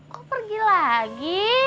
kok pergi lagi